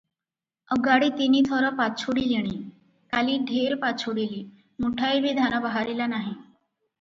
ଅଗାଡ଼ି ତିନି ଥର ପାଛୁଡ଼ିଲିଣି, କାଲି ଢେର ପାଛୁଡ଼ିଲି, ମୁଠାଏ ବି ଧାନ ବାହାରିଲା ନାହିଁ ।